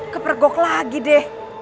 kepregok lagi deh